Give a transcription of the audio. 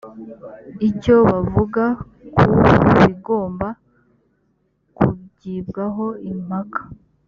icyo bavuga ku bigomba kugibwaho impaka